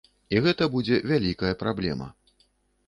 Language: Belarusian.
І гэта будзе вялікая праблема.